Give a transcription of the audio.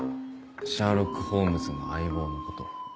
シャーロック・ホームズの相棒のこと。